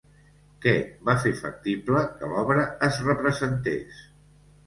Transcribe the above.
Què va fer factible que l'obra es representés?